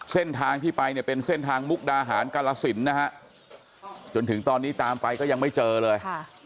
เส้นทางที่ไปเนี่ยเป็นเส้นทางมุกดาหารกาลสินนะฮะจนถึงตอนนี้ตามไปก็ยังไม่เจอเลย